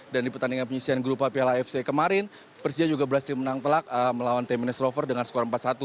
dan di pertandingan penyisian grupa piala fc kemarin persija juga berhasil menang telak melawan t minus rover dengan skor empat puluh satu